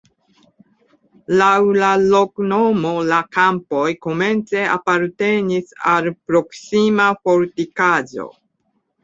Laŭ la loknomo la kampoj komence apartenis al proksima fortikaĵo.